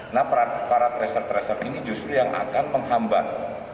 nah para krester krester ini justru yang akan menghamban